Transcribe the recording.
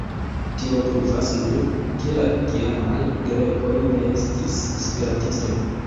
Tio pruvas nur, ke la tiamaj Grekoj ne estis Esperantistoj.